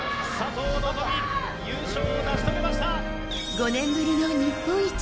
５年ぶりの日本一。